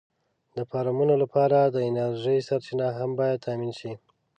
د فارمونو لپاره د انرژۍ سرچینه هم باید تأمېن شي.